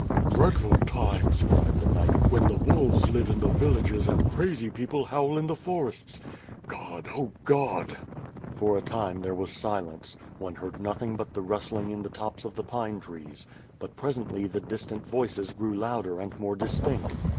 "Dreadful times," cried the knight, "when the wolves live in the villages and crazy people howl in the forests. God! Oh, God!" For a time, there was silence; one heard nothing but the rustling in the tops of the pine trees; but, presently, the dis tant voices grew louder and more distinct.